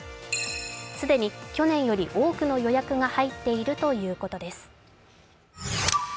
既に去年より多くの予約が入っているということです。